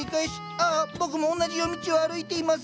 ああ僕も同じ夜道を歩いています。